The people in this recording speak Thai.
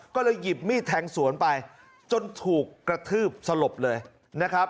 ก็เลยหยิบมีดแทงสวนไปจนถูกกระทืบสลบเลยนะครับ